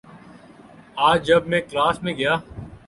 آج جب میں کلاس میں گیا